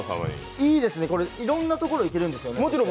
いいですね、これいろんなところ行けるんですよね